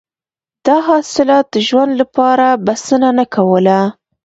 دا حاصلات د ژوند لپاره بسنه نه کوله.